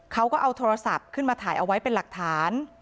เขาก็เอาโทรศัพท์ขึ้นมาถ่ายเอาไว้เป็นหลักฐาน